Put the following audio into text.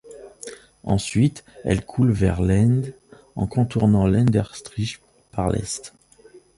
Ensuite, elle coule vers Leende, en contournant Leenderstrijp par l'est.